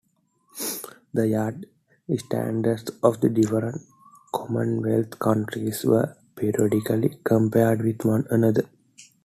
The yard standards of the different Commonwealth countries were periodically compared with one another.